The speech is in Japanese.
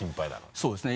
そうですね。